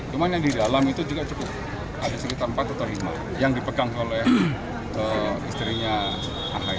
cuma yang di dalam itu juga cukup ada sekitar empat atau lima yang dipegang oleh istrinya ahaya